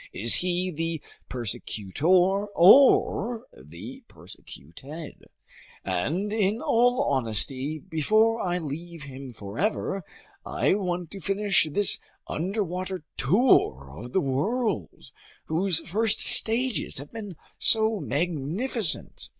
Is he the persecutor or the persecuted? And in all honesty, before I leave him forever, I want to finish this underwater tour of the world, whose first stages have been so magnificent.